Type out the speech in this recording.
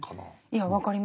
いや分かります。